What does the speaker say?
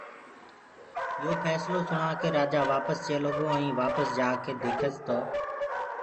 يو ڦيسلو سڻآ ڪي رآجآ وآپس چيلو گو ائين وآپس جآڪي ديکس تو